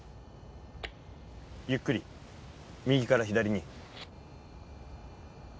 ゆっくり右から左に。